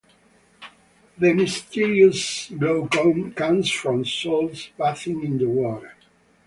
The mysterious glow comes from souls bathing in the water.